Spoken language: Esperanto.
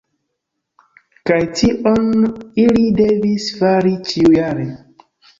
Kaj tion, ili devis fari ĉiujare.